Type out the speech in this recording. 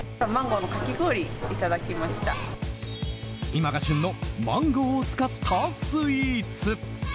今が旬のマンゴーを使ったスイーツ。